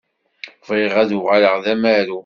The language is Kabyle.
Bɣiɣ ad uɣaleɣ d amaru.